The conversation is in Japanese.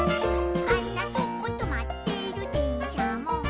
「あんなとことまってるでんしゃも」